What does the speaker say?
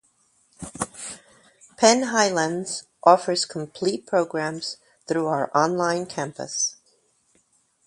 Penn Highlands offers complete programs through our Online Campus.